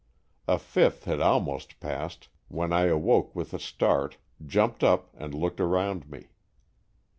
A fifth had almost passed when I awoke with a start, jumped up and looked around me.